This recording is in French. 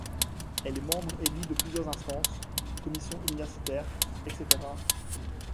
Elle est membre élu de plusieurs instances, commissions universitaires, etc.